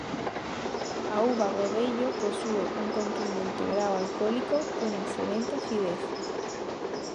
A uva godello posúe un contundente grao alcohólico cunha excelente acidez.